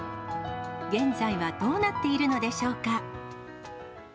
現在はどうなっているのでしょうか。